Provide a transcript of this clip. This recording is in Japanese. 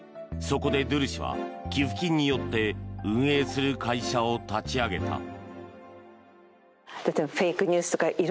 そこでドゥル氏は寄付金によって運営する会社を立ち上げた。